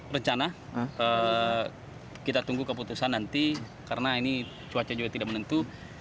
rencana kita tunggu keputusan nanti karena ini cuaca juga tidak menentu